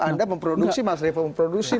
anda memproduksi mas revo memproduksi